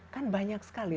kan banyak sekali